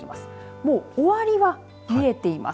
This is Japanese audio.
もう終わりは見えています。